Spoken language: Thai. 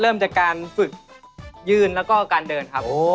เริ่มจากการฝึกยืนแล้วก็การเดินครับ